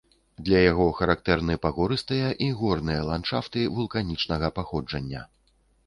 Для яго характэрны пагорыстыя і горныя ландшафты вулканічнага паходжання.